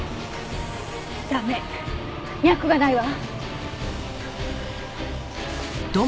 駄目脈がないわ。